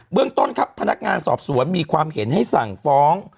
เรื่องต้นครับพนักงานสอบสวนมีความเห็นให้สั่งฟ้อง